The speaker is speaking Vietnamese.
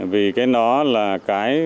vì cái đó là cái